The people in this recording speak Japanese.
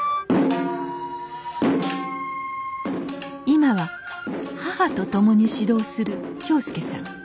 今は母と共に指導する恭将さん。